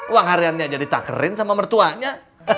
uang hariannya jadi takkerin sama mertuanya